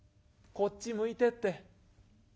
こっち向いてって』。